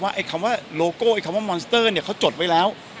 ไอ้คำว่าโลโก้ไอ้คำว่ามอนสเตอร์เนี่ยเขาจดไว้แล้ว